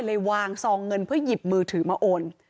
วางซองเงินเพื่อหยิบมือถือมาโอน